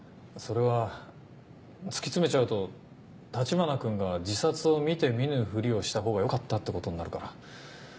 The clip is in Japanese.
それは突き詰めちゃうと橘君が自殺を見て見ぬふりをしたほうがよかったってことになるから。